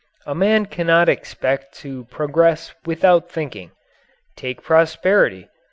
A man cannot expect to progress without thinking. Take prosperity.